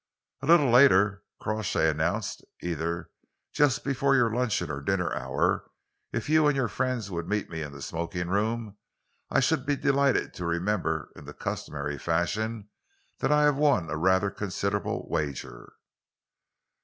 "A little later," Crawshay announced, "either just before your luncheon or dinner hour, if you and your friends would meet me in the smoking room, I should be delighted to remember in the customary fashion that I have won a rather considerable wager."